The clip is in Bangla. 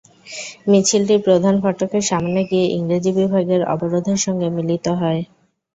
মিছিলটি প্রধান ফটকের সামনে গিয়ে ইংরেজি বিভাগের অবরোধের সঙ্গে মিলিত হয়।